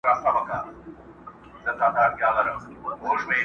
چی تل پایی باک یې نسته له ژوندونه٫